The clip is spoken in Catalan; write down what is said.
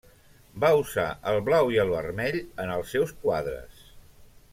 Va usar el blau i el vermell en els seus quadres.